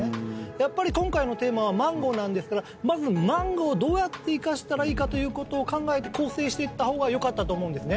やっぱり今回のテーマはマンゴーなんですからまずマンゴーをどうやって活かしたらいいかということを考えて構成していったほうがよかったと思うんですね